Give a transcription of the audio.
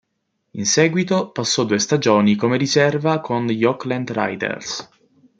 In seguito passò due stagioni come riserva con gli Oakland Raiders.